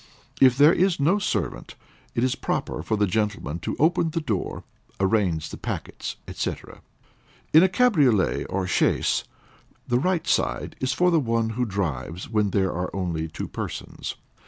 If there is no servant, it is proper for the gentlemen to open the door, arrange the packets, &c. In a cabriolet or chaise, the right side is for the one who drives when there are only two persons.